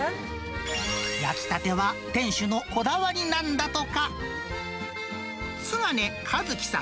焼きたては店主のこだわりなんだとか。